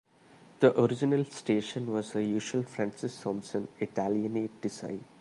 The original station was the usual Francis Thompson Italianate design.